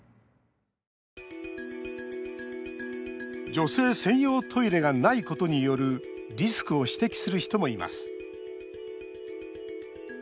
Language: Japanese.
女性専用トイレがないことによるリスクを指摘する人もいます。